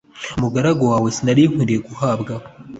Umugaragu wawe sinari nkwiriye guhabwaho